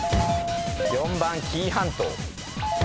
４番紀伊半島。